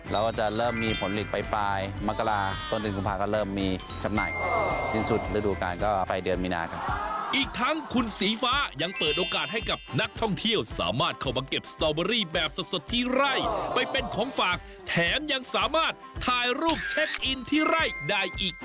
เราก็จะเริ่มมีผลิตทางไปปลายมากลา